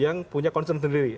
yang punya concern sendiri